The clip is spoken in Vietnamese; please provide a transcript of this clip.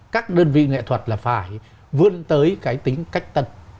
các đơn vị nghệ thuật là phải vươn tới cái tính cách tân